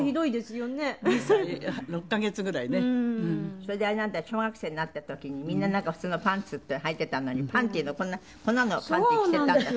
それであなた小学生になった時にみんななんか普通のパンツはいてたのにこんなのパンティー着せたんだって？